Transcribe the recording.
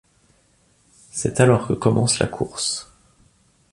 C'est alors que commence la course.